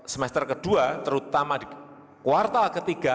semester kedua terutama di kuartal ketiga